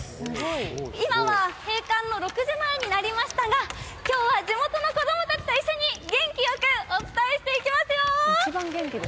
今は閉館の６時前になりましたが今日は地元の子供たちと一緒に元気よく、お伝えしていきますよ。